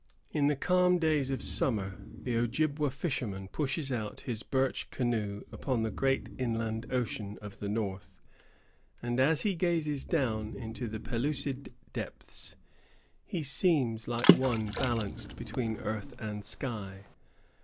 In the calm days of summer, the Ojibwa fisherman pushes out his birch canoe upon the great inland ocean of the north; and, as he gazes down into the pellucid depths, he seems like one balanced between earth and sky.